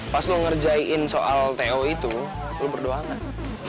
pas lo ngerjain soal teo itu lo berdua anak